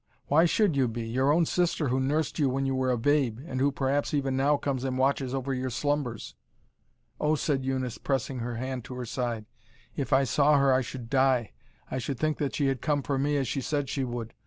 Why should you be? Your own sister who nursed you when you were a babe, and who perhaps even now comes and watches over your slumbers." "Oh!" said Eunice, pressing her hand to her side, "if I saw her I should die. I should think that she had come for me as she said she would.